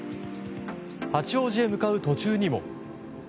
八王子へ向かう途中にも。